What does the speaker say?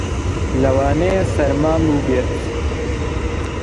لەوانەیە سەرمام بووبێت.